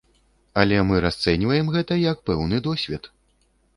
Але мы расцэньваем гэта як пэўны досвед.